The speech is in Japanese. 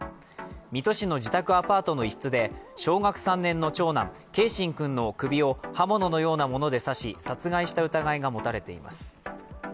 水戸市の自宅アパートの一室で小学３年の長男・継真君の首を刃物のようなもので刺し殺害した疑いが持たれています。